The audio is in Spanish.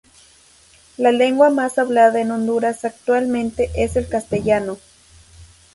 La lengua más hablada en Honduras actualmente es el castellano.